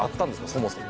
そもそも。